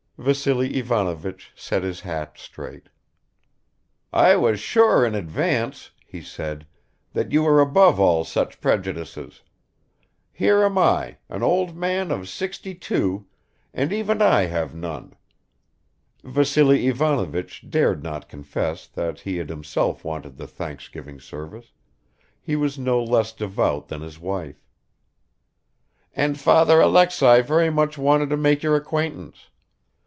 Vassily Ivanovich set his hat straight. "I was sure in advance," he said, "that you were above all such prejudices. Here am I, an old man of sixty two, and even I have none." (Vassily Ivanovich dared not confess that he had himself wanted the thanksgiving service he was no less devout than his wife.) "And Father Alexei very much wanted to make your acquaintance.